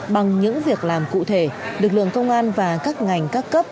bằng những việc làm cụ thể lực lượng công an và các ngành các cấp